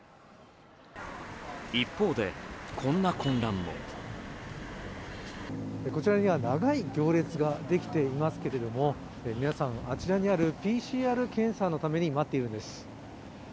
一方で、こんな混乱もこちらには長い行列ができていますけれども皆さん、あちらにあるＰＣＲ検査のために待っているんです。